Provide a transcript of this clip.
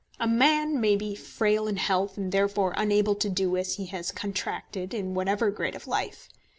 A man may be frail in health, and therefore unable to do as he has contracted in whatever grade of life.